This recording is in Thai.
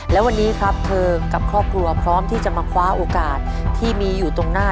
และวันนี้ครับเธอกับครอบครัวพร้อมที่จะมาคว้าโอกาสที่มีอยู่ตรงหน้า